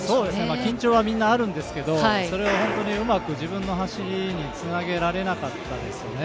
緊張はみんなあるんですけど、うまく自分の走りにつなげられなかったですね。